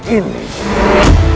akhirnya anda harus mandi